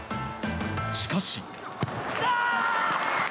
しかし。